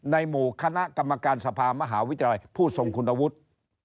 ในหมู่คณะกรรมการสภามหาวิทยาลัยผู้ทรงคุณวุฒิ